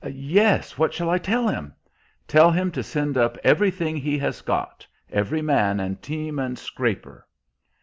"Yes; what shall I tell him?" "Tell him to send up everything he has got; every man and team and scraper."